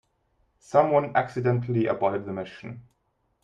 Someone accidentally aborted the mission.